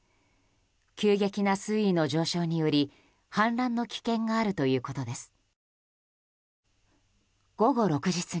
急激な水位の上昇により、氾濫の危険があるということです。